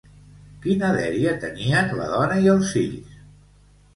Quina dèria tenien la dona i els fills?